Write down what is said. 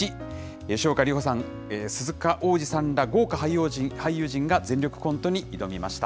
吉岡里帆さん、鈴鹿央士さんら、豪華俳優陣が全力コントに挑みました。